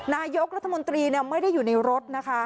นายกรัฐมนตรีไม่ได้อยู่ในรถนะคะ